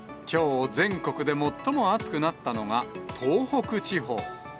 きょう、全国で最も暑くなったのが東北地方。